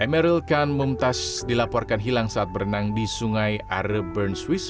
emeril khan mumtaz dilaporkan hilang saat berenang di sungai are bern swiss